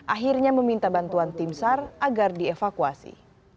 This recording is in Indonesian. akhirnya meminta bantuan tim sar agar dievakuasi